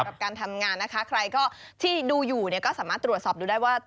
กับการทำงานนะคะใครก็ที่ดูอยู่เนี่ยก็สามารถตรวจสอบดูได้ว่า